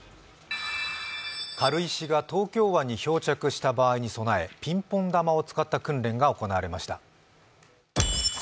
軽石が東京湾に漂着した場合に備え、ピンポン球を使った訓練が行われました。